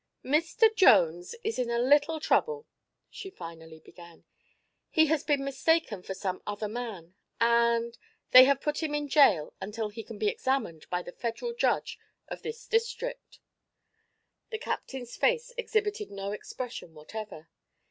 "Mr. Jones is in a little trouble," she finally began. "He has been mistaken for some other man and they have put him in jail until he can be examined by the federal judge of this district." The captain's face exhibited no expression whatever.